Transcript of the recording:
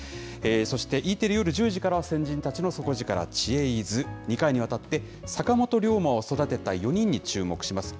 そして、Ｅテレ夜１０時からは、先人たちの底力知恵泉、２回にわたって、坂本龍馬を育てた４人に注目します。